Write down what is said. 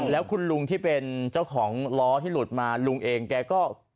แล้วคุณลุงที่เป็นเจ้าของล้อที่หลุดมาลุงเองแกก็